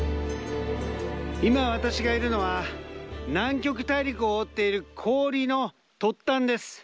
今、私がいるのは南極大陸を覆っている氷の突端です。